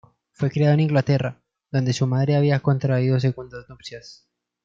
Fue criado en Inglaterra, donde su madre había contraído segundas nupcias.